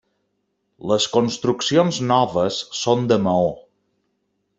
Les construccions noves són de maó.